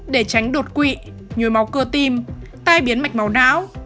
để tránh đột quỵ nhồi máu cơ tim tai biến mạch máu não